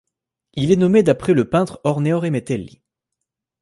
Il est nommé d'après le peintre Orneore Metelli.